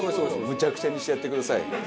むちゃくちゃにしてやってください